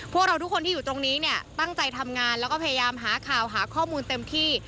พวกเราทุกคนที่อยู่ตรงนี้เนี่ยตั้งใจทำงานแล้วก็พยายามหาข่าวหาข้อมูลเต็มที่